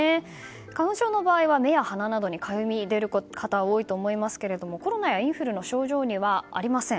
花粉症の場合は目や鼻などにかゆみが出る方が多いと思いますがコロナやインフルの症状にはありません。